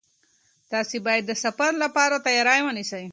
تاسي باید د سفر لپاره تیاری ونیسئ.